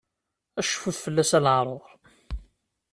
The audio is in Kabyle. Cfut fell-as a leɛrur!